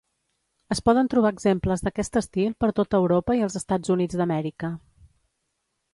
Es poden trobar exemples d'aquest estil per tota Europa i els Estats Units d'Amèrica.